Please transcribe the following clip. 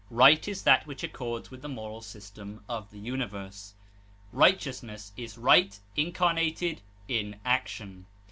Right is that which accords with the moral system of the universe. Righteousness is right incarnated in action.